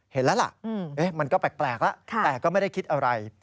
เห็นแล้วล่ะมันก็แปลกแล้วแต่ก็ไม่ได้คิดอะไร